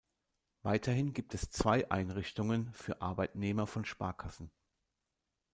Weiterhin gibt es zwei Einrichtungen für Arbeitnehmer von Sparkassen.